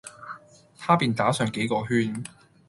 他便打上幾個圈；